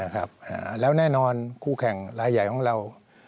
แล้วแน่นอนคู่แข่งรายใหญ่ของเรา